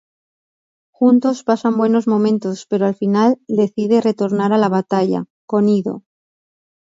Juntos pasan buenos momentos pero al final decide retornar a la batalla, con Ido.